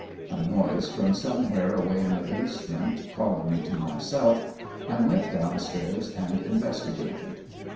A noise, from somewhere away in the basement, calling me to myself, I went downstairs and investigated.